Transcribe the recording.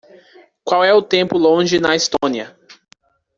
Qual é o tempo longe na Estónia?